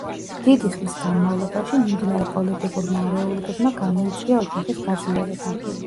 დიდი ხნის განმავლობაში მიმდინარე პოლიტიკურმა არეულობებმა გამოიწვია ოჯახის გაძლიერება.